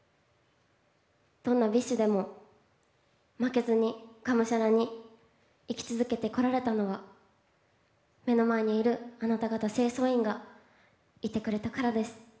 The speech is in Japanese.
どんなＢｉＳＨでも負けずに、がむしゃらに生き続けてこられたのは目の前にいる、あなた方清掃員がいてくれたからです。